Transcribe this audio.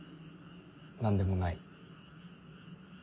・何でもない。